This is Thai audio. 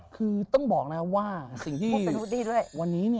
คือต้องบอกนะครับว่า